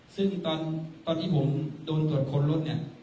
ซึ่งตอนที่ผมโดนตรวจค้นรถเนี่ย